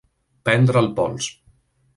Prendre el pols.